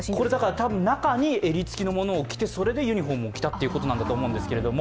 たぶん、中に襟つきのものを着てユニフォームを着てということだと思うんですけれども。